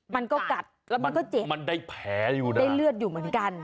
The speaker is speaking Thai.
มันก็กัดแล้วมันก็เจ็บมันได้แผลอยู่นะได้เลือดอยู่เหมือนกัน